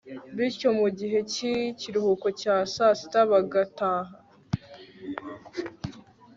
bityo mu gihe cy'ikiruhuko cya sasita bagataha